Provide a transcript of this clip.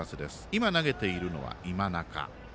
今、投げているのは今仲。